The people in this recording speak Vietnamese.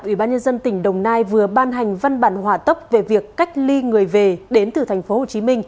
ủy ban nhân dân tỉnh đồng nai vừa ban hành văn bản hỏa tốc về việc cách ly người về đến từ tp hcm